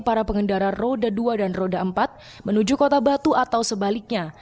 para pengendara roda dua dan roda empat menuju kota batu atau sebaliknya